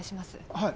はい。